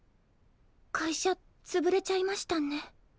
会社つぶれちゃいましたね。